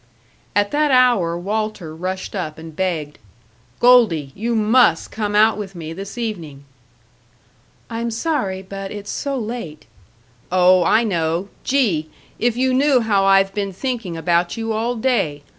At that hour Walter rushed up and begged, "Goldie, you must come out with me this evening." "I'm sorry, but it's so late " "Oh, I know. Gee! if you knew how I've been thinking about you all day!